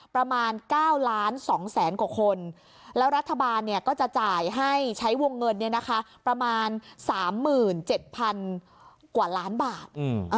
ประมาณ๙ล้าน๒แสนกว่าคนแล้วรัฐบาลก็จะจ่ายให้ใช้วงเงินประมาณ๓๗๐๐กว่าล้านบาท